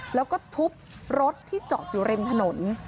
แล้วก็ทุบรถที่จอดอยู่ริมถนน